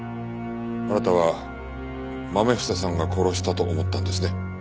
あなたはまめ房さんが殺したと思ったんですね？